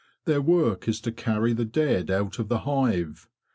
'' Their work is to carry the dead out of the hive.